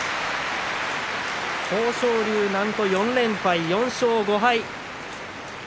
豊昇龍なんと４連敗、４勝５敗。